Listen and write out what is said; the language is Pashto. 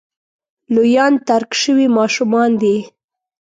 لویان ترک شوي ماشومان دي.